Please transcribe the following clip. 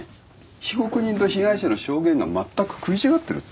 被告人と被害者の証言がまったく食い違ってるって。